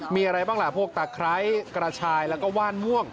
มีอะไรบ้างล่ะพวกตะไคร้กระชายแล้วก็ว่านม่วง